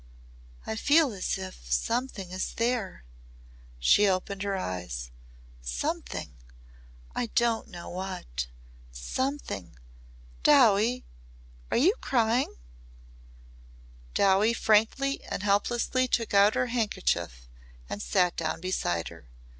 "I feel as if something is there." She opened her eyes, "Something I don't know what. 'Something.' Dowie!" frightened, "Are you crying?" Dowie frankly and helplessly took out a handkerchief and sat down beside her.